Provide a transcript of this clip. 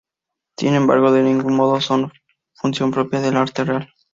Sin embargo, de ningún modo son función propia del arte real.